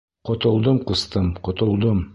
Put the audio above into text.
Ҡотолдом, ҡустым, ҡотолдом!